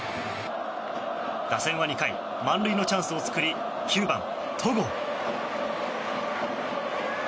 打線は２回満塁のチャンスを作り９番、戸郷。